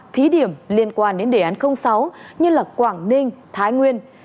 thí điểm liên quan đến đề án sáu như quảng ninh thái nguyên